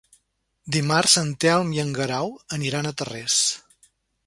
Dimarts en Telm i en Guerau aniran a Tarrés.